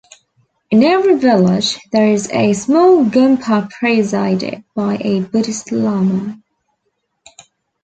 In every village, there is a small Gompa presided by a Buddhist Lama.